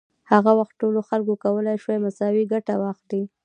هغه وخت ټولو خلکو کولای شوای مساوي ګټه واخلي.